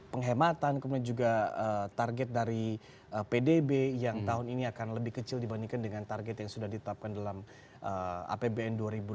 penghematan kemudian juga target dari pdb yang tahun ini akan lebih kecil dibandingkan dengan target yang sudah ditetapkan dalam apbn dua ribu delapan belas